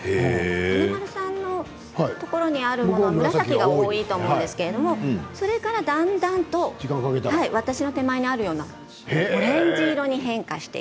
華丸さんのところにあるのが紫が多いと思うんですけれどそれからだんだんと私の手前にあるような楽しみですね。